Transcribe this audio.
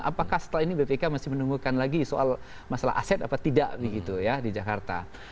apakah setelah ini bpk masih menunggukan lagi soal masalah aset apa tidak begitu ya di jakarta